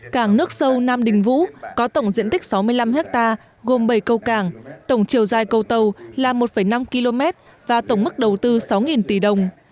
cảng nước sâu nam đình vũ có tổng diện tích sáu mươi năm hectare gồm bảy câu cảng tổng chiều dài câu tàu là một năm km và tổng mức đầu tư sáu tỷ đồng